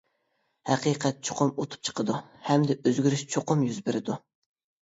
ھەقىقەت چوقۇم ئۇتۇپ چىقىدۇ، ھەمدە ئۆزگىرىش چوقۇم يۈز بېرىدۇ.